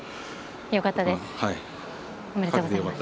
よかったです。